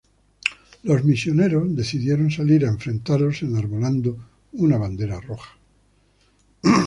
Los misioneros decidieron salir a enfrentarlos enarbolando una bandera roja.